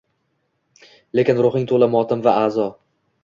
Lekin ruhing to’la motam va azo.